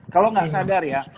kalau enggak sadar ya